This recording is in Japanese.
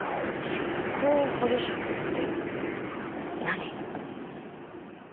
執行補助者って何？